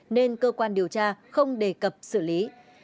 nên cơ quan điều tra không đề cập xử lý